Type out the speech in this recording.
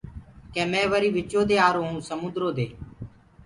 ڪي مي وري وِچو دي آرو هو سموندرو دي۔